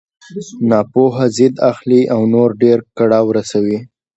ناپوه ضد اخلي او نور ډېر کړاو رسوي.